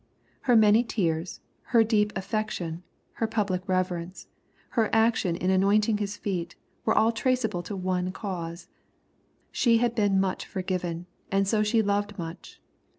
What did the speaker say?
Her many tears, her deep affection, her public reverence, her action in anoint ing His feet, were all traceable to one cause. She had been much forgiven, and so she loved much.